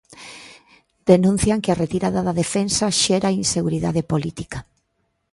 Denuncian que a retirada da defensa xera inseguridade política.